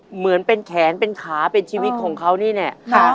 เหมือนเป็นแขนเป็นขาเป็นชีวิตของเขานี่เนี่ย